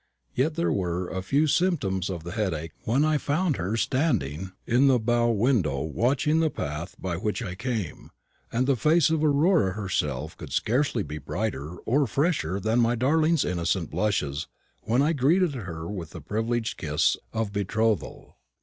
Yet there were few symptoms of the headache when I found her standing in the bow window, watching the path by which I came, and the face of Aurora herself could scarcely be brighter or fresher than my darling's innocent blushes when I greeted her with the privileged kiss of betrothal.